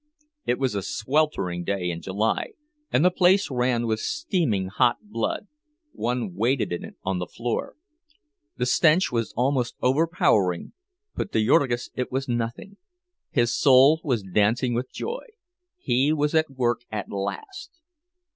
It was a sweltering day in July, and the place ran with steaming hot blood—one waded in it on the floor. The stench was almost overpowering, but to Jurgis it was nothing. His whole soul was dancing with joy—he was at work at last!